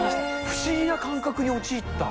不思議な感覚に陥った。